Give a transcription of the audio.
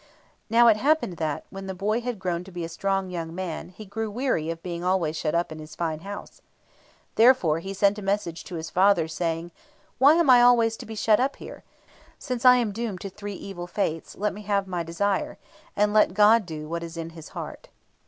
Now, it happened that, when the boy had grown to be a strong young man, he grew weary of being always shut up in his fine house. Therefore he sent a message to his father, saying, "Why am I always to be shut up here? Since I am doomed to three evil Fates, let me have my desire, and let God do what is in His heart."